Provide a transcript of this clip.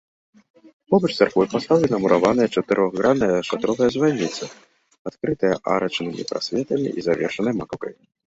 Побач з царквой пастаўлена мураваная чатырохгранная шатровая званіца, адкрытая арачнымі прасветамі і завершаная макаўкай.